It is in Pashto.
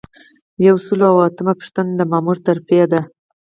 یو سل او اتمه پوښتنه د مامور ترفیع ده.